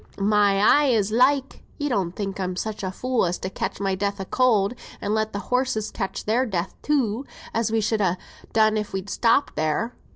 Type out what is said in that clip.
"My eye as like! you don't think I'm such a fool as to catch my death of cold, and let the horses catch their death too, as we should ha' done if we'd stopped there.